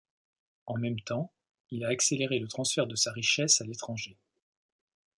En même temps, il a accéléré le transfert de sa richesse à l’étranger.